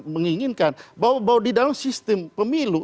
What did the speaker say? menginginkan bahwa di dalam sistem pemilu